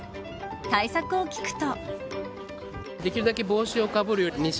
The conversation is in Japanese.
対策を聞くと。